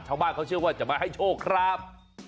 ชาวบ้านเขาเชื่อว่าจะมาให้โชคครับ